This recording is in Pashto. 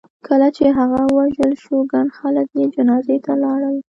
کله چې هغه ووژل شو ګڼ خلک یې جنازې ته لاړل.